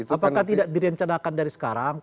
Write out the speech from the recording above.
apakah tidak direncanakan dari sekarang